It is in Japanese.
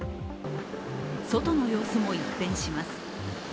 外の様子も一変します。